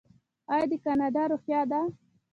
دا د کاناډا روحیه ده.